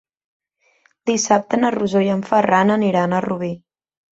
Dissabte na Rosó i en Ferran aniran a Rubí.